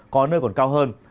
có nơi còn cao hơn